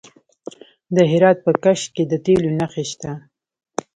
د هرات په کشک کې د تیلو نښې شته.